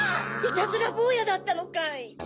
いたずらぼうやだったのかい！